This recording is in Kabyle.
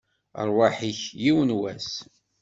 Rrwaḥ-ik, yiwen n wass!